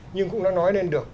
nhưng cũng đã nói lên được